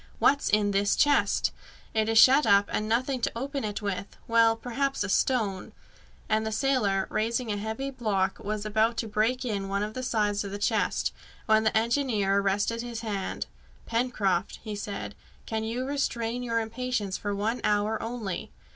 "What's in this chest? It is shut up, and nothing to open it with! Well, perhaps a stone " And the sailor, raising a heavy block, was about to break in one of the sides of the chest, when the engineer arrested his hand. "Pencroft," said he, "can you restrain your impatience for one hour only?"